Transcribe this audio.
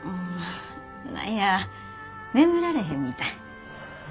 何や眠られへんみたい。